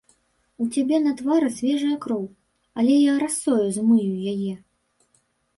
У цябе на твары свежая кроў, але я расою змыю яе.